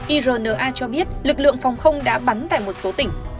irna cho biết lực lượng phòng không đã bắn tại một số tỉnh